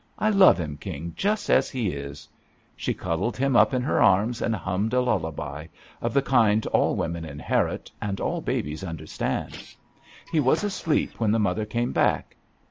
I love him. King, just as he is." She cuddled him up JUST SWEETHEARTS ^ In her arms and hummed a lullaby, of the kind all women inherit and all babies understand. He was asleep when the mother came back.